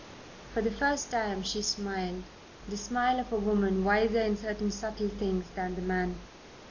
For the first time she smiled the smile of the woman wiser in certain subtle things than the man.